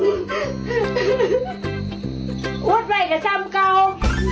อู๊ดไปก็จำกล้าว